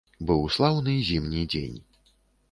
Быў слаўны зімні дзень.